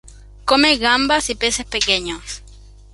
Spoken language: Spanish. Come gambas y peces pequeños.